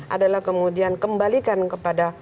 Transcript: adalah kemudian kembalikan kepada